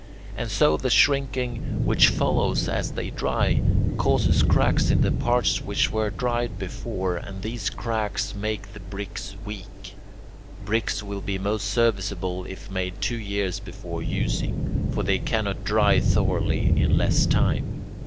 And so the shrinking, which follows as they dry, causes cracks in the parts which were dried before, and these cracks make the bricks weak. Bricks will be most serviceable if made two years before using; for they cannot dry thoroughly in less time.